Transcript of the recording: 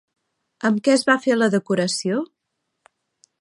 Amb què es va fer la decoració?